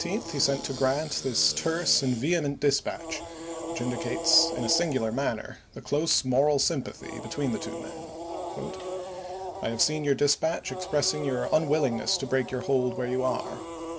On the 17th he sent to Grant this terse and vehement dispatch, which indicates in a singular manner the close moral sympathy between the two men: "I have seen your dispatch expressing your unwillingness to break your hold where you are.